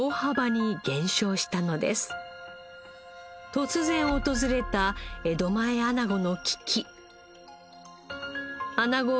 突然訪れた江戸前アナゴの危機。